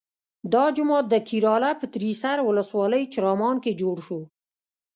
دا جومات د کیراله په تریسر ولسوالۍ چرامان کې جوړ شو.